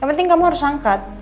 yang penting kamu harus angkat